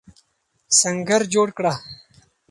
سنګر جوړ کړه.